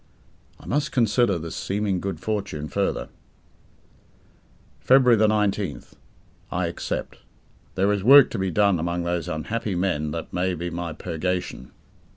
I must consider this seeming good fortune further. February 19th. I accept. There is work to be done among those unhappy men that may be my purgation.